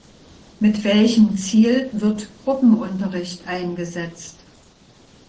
Mit welchem Ziel wird Gruppenunterricht eingesetzt?